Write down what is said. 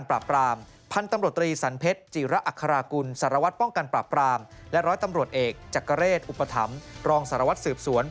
ระ้ร้อยตำรวจเอกจากเกรชอุปธรรมรองสรรวจสืบสวน